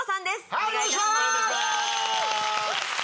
はいお願いします！